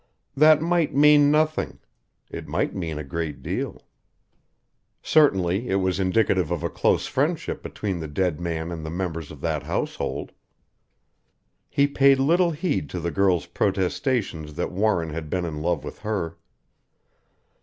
That might mean nothing: it might mean a great deal. Certainly it was indicative of a close friendship between the dead man and the members of that household. He paid little heed to the girl's protestations that Warren had been in love with her.